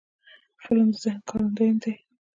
فلم د ذهن ښکارندوی دی